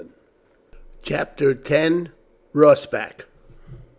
Chapter 10: Rossbach.